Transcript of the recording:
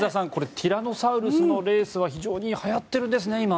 ティラノサウルスレースは非常にはやってるんですね。